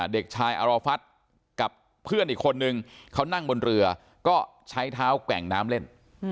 เด็กชายอรฟัฐกับเพื่อนอีกคนนึงเขานั่งบนเรือก็ใช้เท้าแกว่งน้ำเล่น